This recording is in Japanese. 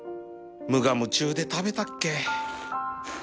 無我夢中で食べたっけ